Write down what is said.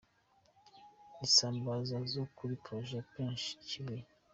Isambaza zo kuri Projet Pêche Kibuye.